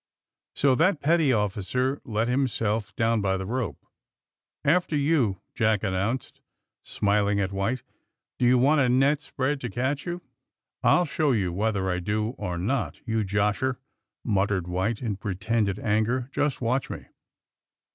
So that petty officer let himself down by the rope. *^ After you," Jack announced, smiling at White. ^^Do you want a net spread to catch you?" ^^I'll show you whether I do or not, you josher!" muttered White, in pretended anger. Just watch me